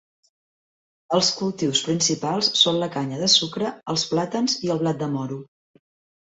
Els cultius principals són la canya de sucre, els plàtans i el blat de moro.